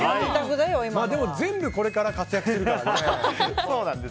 でも全部これから活躍するからね。